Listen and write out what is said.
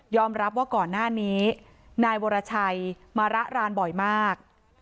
รับว่าก่อนหน้านี้นายวรชัยมาระรานบ่อยมาก